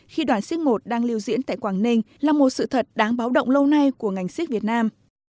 khi đoàn siết một đang lưu diễn tại quảng ninh là một sự thật đáng báo động lâu nay của ngành siếc việt nam